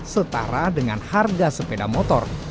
setara dengan harga sepeda motor